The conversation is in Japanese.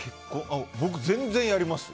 僕、全然やります。